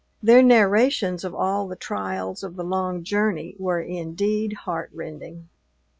Their narrations of all the trials of the long journey were indeed heartrending.